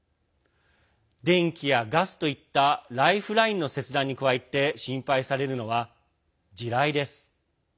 電気やガスといったライフラインの切断に加えて心配されるのは地雷です。